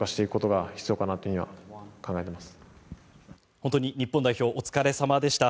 本当に日本代表お疲れ様でした。